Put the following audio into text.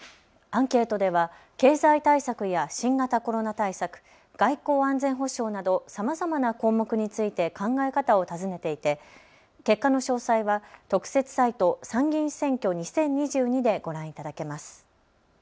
アンケートでは経済対策や新型コロナ対策、外交・安全保障などさまざまな項目について考え方を尋ねていて結果の詳細は特設サイト、参議院選挙２０２２でご覧いただけます。